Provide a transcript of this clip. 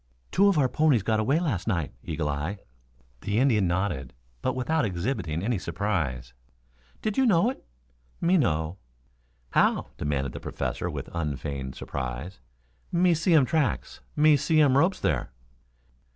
"Two of our ponies got away last night, Eagle eye." The Indian nodded, but without exhibiting any surprise. "Did you know it?" "Me know." "How?" demanded the Professor, with unfeigned surprise. "Me see um tracks. Me see um ropes there."